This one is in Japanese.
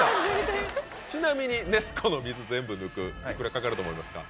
ちなみにネス湖の水全部抜くいくらかかると思いますか？